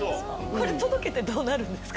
これ届けてどうなるんですか？